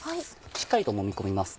しっかりともみ込みます。